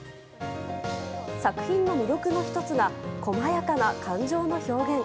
作品の魅力の１つが細やかな感情の表現。